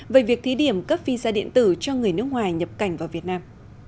về việc thí điểm cấp visa điện tử cho người nước ngoài nhập cảnh vào việt nam